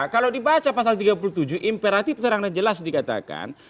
kalau dibaca pasal tiga puluh tujuh imperatif terang dan jelas dikatakan